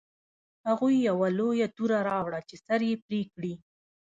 هغوی یوه لویه توره راوړه چې سر مې پرې کړي